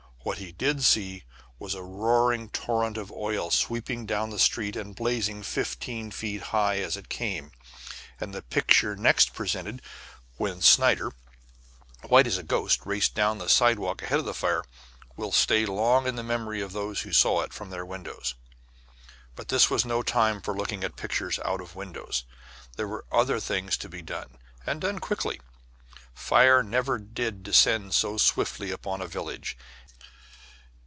What he did see was a roaring torrent of oil sweeping down the street and blazing fifteen feet high as it came. And the picture next presented when Snyder, white as a ghost, raced down the sidewalk ahead of the fire, will stay long in the memory of those who saw it from their windows. But this was no time for looking at pictures out of windows; there were other things to be done, and done quickly. Never did fire descend so swiftly upon a village.